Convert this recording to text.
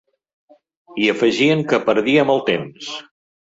I afegien que perdíem el temps.